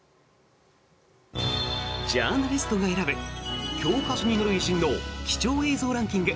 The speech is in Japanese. ジャーナリストが選ぶ教科書に載る偉人の貴重映像ランキング